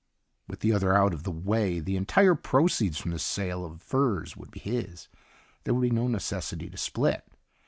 With the other out of the way, the entire proceeds from the sale of furs would be his. There would be no necessity to split.